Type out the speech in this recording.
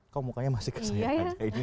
kok mukanya masih kesayangan